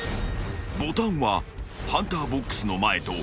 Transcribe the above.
［ボタンはハンターボックスの前と］